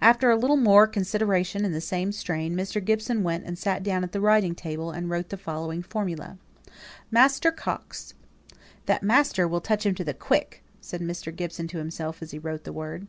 After a little more consideration in the same strain, Mr. Gibson went and sat down at the writing table and wrote the following formula: Master Coxe. ("That 'master' will touch him to the quick," said Mr. Gibson to himself as he wrote the word.)